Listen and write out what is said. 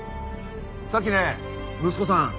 さっきね息子さん